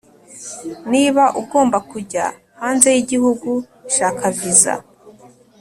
Niba ugomba kujya hanze y igihugu shaka visa